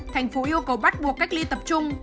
thành phố yêu cầu bắt buộc cách ly tập trung